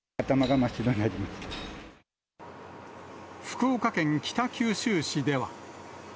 福岡県北九州市では。